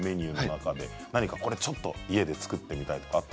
ちょっと家で作ってみたいとか。